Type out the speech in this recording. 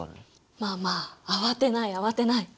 まあまあ慌てない慌てない。